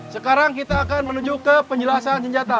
sekarang kita akan menuju ke penjelasan senjata